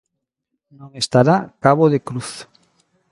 Non estará Cabo de Cruz.